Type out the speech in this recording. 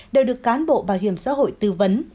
đều được cán bộ bảo hiểm xã hội tư vấn